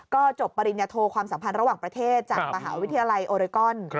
ก็จบปริญญโทความสัมพันธ์ระหว่างประเทศจากมหาวิทยาลัยโอเรกอน